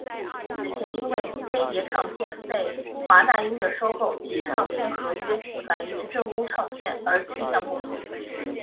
此前因为飞碟唱片被华纳音乐收购及唱片合约转移至正东唱片而去向不明。